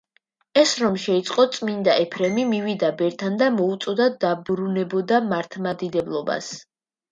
ეს რომ შეიტყო, წმინდა ეფრემი მივიდა ბერთან და მოუწოდებდა, დაბრუნებოდა მართლმადიდებლობას.